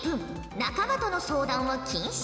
仲間との相談は禁止。